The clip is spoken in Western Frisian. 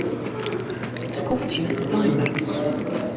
Skoftsje timer.